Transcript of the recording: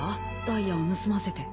ダイヤを盗ませて。